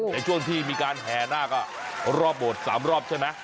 ในช่วงที่มีการแห่หน้าก็รอบหมด๓รอบใช่ไหม